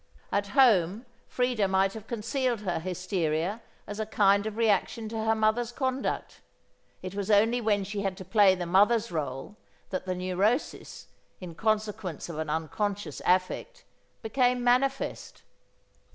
At home, Freda might have concealed her hysteria as a kind of reaction to her mother's conduct. It was only when she had to play the mother's role that the neurosis, in consequence of an unconscious affect, became manifest.